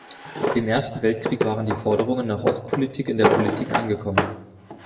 Im Ersten Weltkrieg waren die Forderungen nach Ostpolitik in der Politik angekommen.